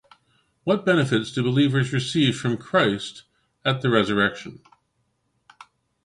What benefits do believers receive from Christ at the resurrection?